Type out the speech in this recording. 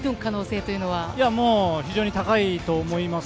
非常に高いと思います。